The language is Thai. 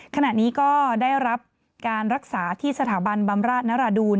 ขณะนี้ก็ได้รับการรักษาที่สถาบันบำราชนรดูล